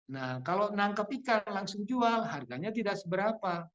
nah kalau nangkep ikan langsung jual harganya tidak seberapa